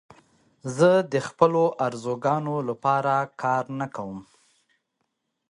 زه د خپلو آرزوګانو لپاره کار نه کوم.